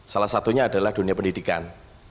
salah satunya adalah dunia pendidikan